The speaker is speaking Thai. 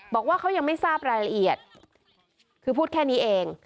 บอกว่าเขายังไม่ทราบรายละเอียดคือพูดแค่นี้เอง